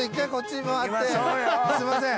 すいません。